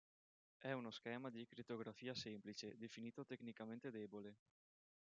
È uno schema di crittografia semplice, definito tecnicamente debole.